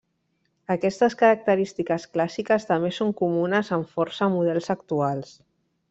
Aquestes característiques clàssiques també són comunes en força models actuals.